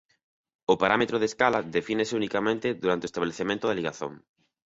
O parámetro de escala defínese unicamente durante o estabelecemento da ligazón.